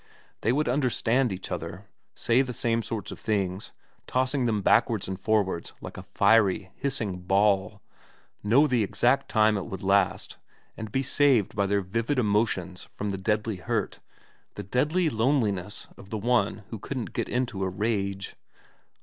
They would understand each other, say the same sorts of things, tossing them backwards and forwards like a fiery, hissing ball, know the exact time it would last, and be saved by their vivid emotions from the deadly hurt, the deadly loneliness of the one who couldn't get into a rage.